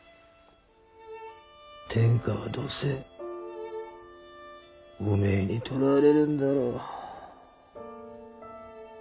天下はどうせおめえに取られるんだろう。